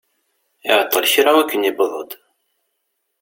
Iɛeṭṭel kra i wakken yewweḍ-d.